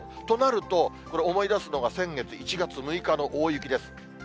となると、これ、思い出すのが先月、１月６日の大雪です。